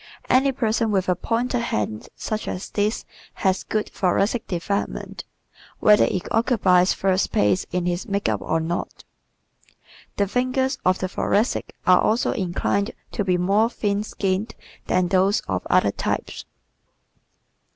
Any person with a pointed hand such as this has good thoracic development whether it occupies first place in his makeup or not. The fingers of the Thoracic are also inclined to be more thin skinned than those of other types.